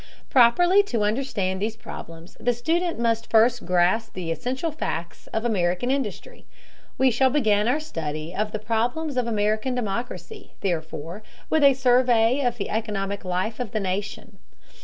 Properly to understand these problems the student must first grasp the essential facts of American industry. We shall begin our study of the problems of American democracy, therefore, with a survey of the economic life of the nation.